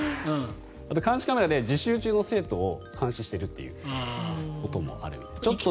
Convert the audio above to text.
監視カメラで自習中の生徒を監視していることもあると。